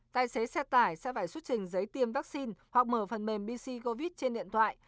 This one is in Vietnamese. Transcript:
tài xế xe tải sẽ phải xuất trình giấy tiêm vaccine hoặc mở phần mềm bcvit trên điện thoại